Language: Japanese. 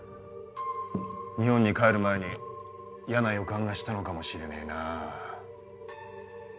日本に帰る前に嫌な予感がしたのかもしれねえなぁ。